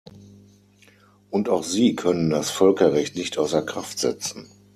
Und auch Sie können das Völkerrecht nicht außer Kraft setzen.